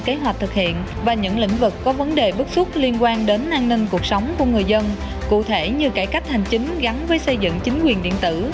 các lĩnh vực có vấn đề bước xuất liên quan đến an ninh cuộc sống của người dân cụ thể như cải cách hành chính gắn với xây dựng chính quyền điện tử